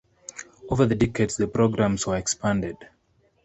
Over the decades, the programs were expanded.